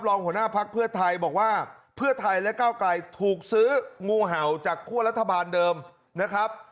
รองหัวหน้าพักเพื่อไทยบอกว่าเพื่อไทยและก้าวไกลถูกซื้องูเห่าจากคั่วรัฐบาลเดิมนะครับ